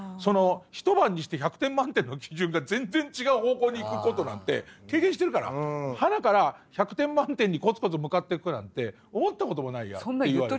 「一晩にして１００点満点の基準が全然違う方向に行くことなんて経験してるからはなから１００点満点にこつこつ向かっていこうなんて思ったこともないや」って言われて。